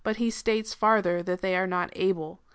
117 he states farther that they are not ahle.